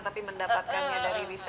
tapi mendapatkannya dari risa